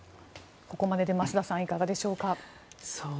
ここまでで増田さん、いかがでしょうか？